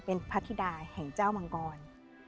เป็นพระธิดาแห่งเจ้ามังกร